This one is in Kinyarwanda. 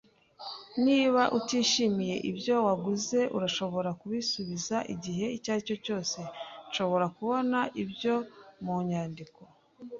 "Niba utishimiye ibyo waguze, urashobora kubisubiza igihe icyo ari cyo cyose." "Nshobora kubona ibyo mu nyandiko?"